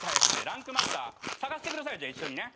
『ランクマスター』探してくださいよじゃあ一緒にね。